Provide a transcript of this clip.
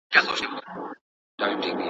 ګاونډیان د کوهي د ډکولو لپاره مټې رابډوهلې.